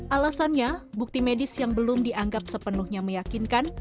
alasannya bukti medis yang belum dianggap sepenuhnya meyakinkan